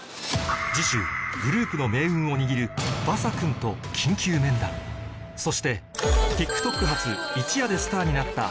次週グループの命運を握るヴァサ君とそしてＴｉｋＴｏｋ発一夜でスターになった